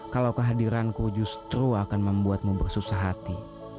kalau kehadiranku justru akan membuatmu bersusah hati